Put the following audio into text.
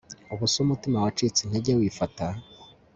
Ubuse umutima wacitse intege wifata